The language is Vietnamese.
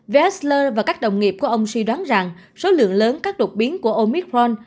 wiesler và các đồng nghiệp của ông suy đoán rằng số lượng lớn các đột biến của omicron